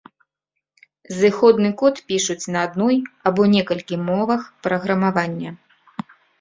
Зыходны код пішуць на адной або некалькіх мовах праграмавання.